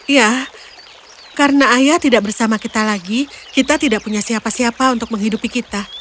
ya karena ayah tidak bersama kita lagi kita tidak punya siapa siapa untuk menghidupi kita